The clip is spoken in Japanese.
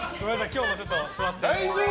今日もちょっと座ってて。